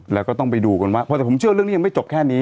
แล้วก็ต้องไปดูกันว่าเพราะแต่ผมเชื่อเรื่องนี้ยังไม่จบแค่นี้